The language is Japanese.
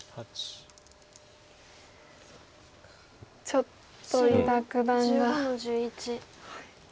ちょっと伊田九段が。